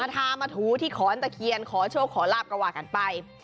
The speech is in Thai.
ทามาถูที่ขอนตะเคียนขอโชคขอลาบก็ว่ากันไป